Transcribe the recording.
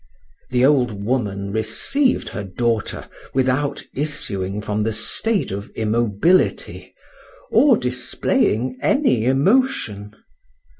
The old woman received her daughter without issuing from her state of immobility, or displaying any emotion.